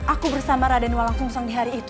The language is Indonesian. aku bersama raden walau susah di hari itu